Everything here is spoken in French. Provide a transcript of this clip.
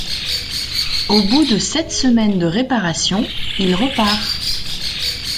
Au bout de sept semaines de réparations, il repart.